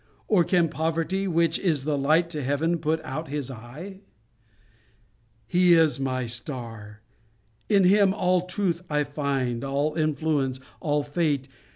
Or can poverty, Which is the light to heaven, put out His eye! He is my star; in Him all truth I find, All influence, all fate.